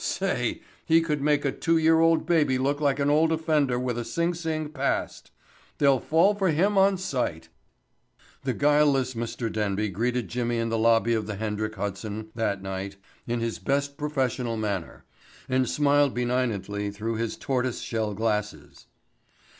Say, he could make a two year old baby look like an old offender with a Sing Sing past. They'll fall for him on sight." The guileless Mr. Denby greeted Jimmy in the lobby of the Hendrik Hudson that night in his best professorial manner and smiled benignantly through his tortoise shell glasses.